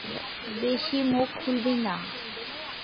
বেশি মুখ খুলবি না।